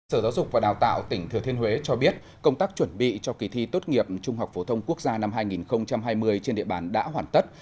sở giáo dục và đào tạo tỉnh thừa thiên huế cho biết công tác chuẩn bị cho kỳ thi tốt nghiệp trung học phổ thông quốc gia năm hai nghìn hai mươi trên địa bàn đã hoàn tất